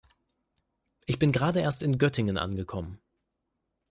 Ich bin gerade erst in Göttingen angekommen